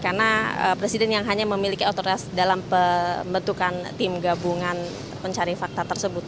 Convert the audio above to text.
karena presiden yang hanya memiliki otoritas dalam pembentukan tim gabungan pencari fakta tersebut